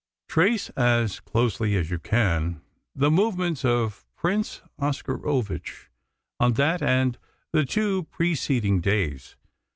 Trace as closely as you can the movements of Prince Oscarovitch on that and the two preceding days.